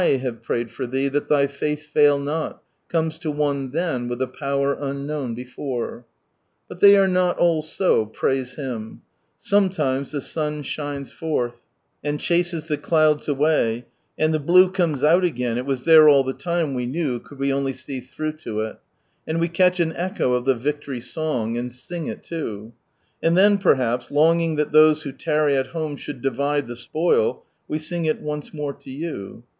have prayed for thee that thy faith fail nol," comes to one then with a power unknown before. But they are not ail so, praise Him \ Sometimes the sun shines forth and I20 From Sunrise Land chases the clouds away, and the blue comes out again (it was there all the time, we knew, could we only see through to it), and we catch an echo of the victory song, and sing it too ; and then, perhaps, longing that those who tarry at home should divide the spoil, we sing it once more to you.